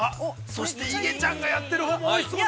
◆そして、イゲちゃんがやってるほうも、おいしそう。